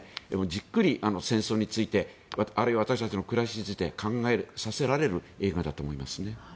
じっくり戦争についてあるいは私たちの暮らしについて考えさせられる映画だと思いますね。